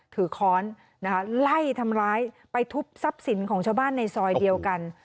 ค้อนนะคะไล่ทำร้ายไปทุบทรัพย์สินของชาวบ้านในซอยเดียวกัน